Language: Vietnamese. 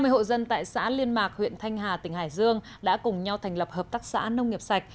ba mươi hộ dân tại xã liên mạc huyện thanh hà tỉnh hải dương đã cùng nhau thành lập hợp tác xã nông nghiệp sạch